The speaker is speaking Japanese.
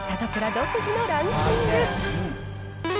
独自のランキング。